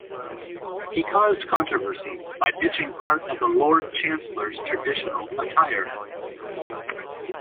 He caused controversy by ditching part of the Lord Chancellor's traditional attire.